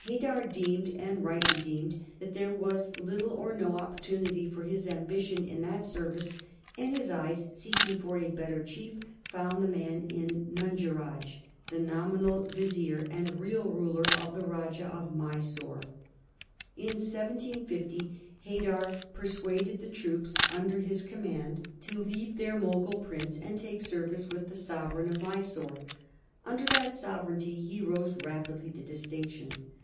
Haidar deemed, and rightly deemed, that there was little or no opportunity for his ambition in that service, and his eyes seeking for a better chief, found the man in Nunjeraj, the nominal vizier and real ruler of the Rajah of Mysore. In 1750 Haidar persuaded the troops under his command to leave their Mogul prince and take service with the sovereign of Mysore. Under that sovereignty he rose rapidly to distinction.